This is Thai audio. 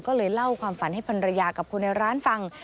ก็เลยเล่าความฝันให้ภรรยากับคนในร้านฟัง